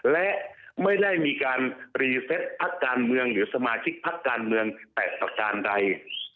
และไม่ได้มีการรีเซตพักการเมืองหรือสมาชิกพักการเมืองแต่ประการใด